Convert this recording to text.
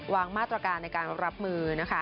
วางมาตรการในการรับมือนะคะ